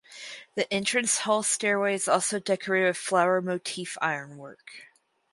The entrance hall stairway is also decorated with flower motif ironwork.